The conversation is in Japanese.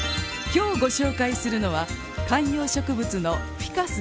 今日ご紹介するのは観葉植物のフィカスです。